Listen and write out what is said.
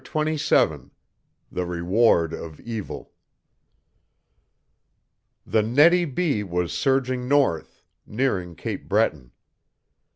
CHAPTER XXVII THE REWARD OF EVIL The Nettie B. was surging north, nearing Cape Breton.